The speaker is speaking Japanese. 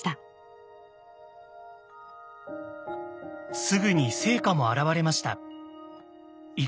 すぐに成果も現れました。